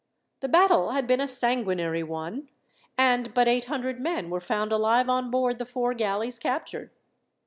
The battle had been a sanguinary one, and but eight hundred men were found alive on board the four galleys captured.